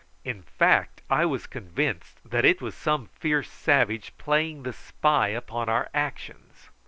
In fact I was convinced that it was some fierce savage playing the spy upon our actions.